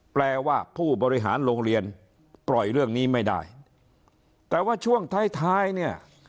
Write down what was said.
แปลว่าผู้บริหารโรงเรียนปล่อยเรื่องนี้ไม่ได้แต่ว่าช่วงท้ายท้ายเนี่ย